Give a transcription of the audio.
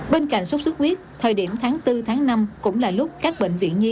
bên cạnh sốt xuất huyết thời điểm tháng bốn tháng năm cũng là lúc các bệnh viện nhi